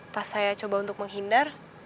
pas saya coba untuk menghindar